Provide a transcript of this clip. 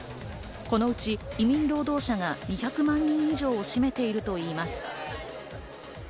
このうち移民労働者が２００万人以上を占めているといいます。